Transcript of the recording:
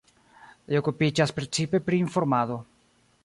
Li okupiĝas precipe pri informado.